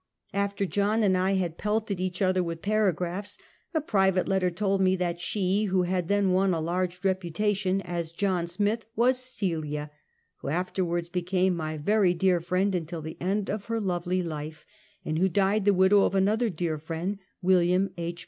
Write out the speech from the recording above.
After John and I had pelted each other with paragraphs, a private letter told me that she, who had then won a large reputation as John Smith, was Cell a, who afterwards became my very dear friend until the end of her lovely life, and who died the widow of another dear friend, Wm. H.